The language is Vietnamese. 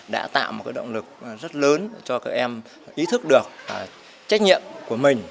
đã tạo một động lực rất lớn cho các em ý thức được trách nhiệm của mình